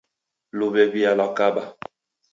Luw'ew'ia lwakaba.